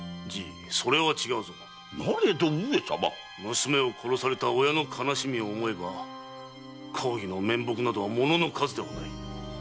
娘を殺された親の悲しみを思えば公儀の面目など物の数ではない。